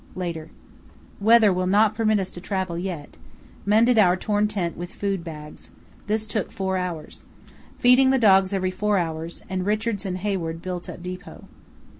Later.—Weather will not permit us to travel yet. Mended our torn tent with food bags. This took four hours. Feeding the dogs every four hours, and Richards and Hayward built up depot.